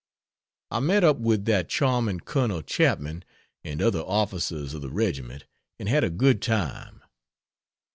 I "met up" with that charming Colonel Chapman, and other officers of the regiment, and had a good time.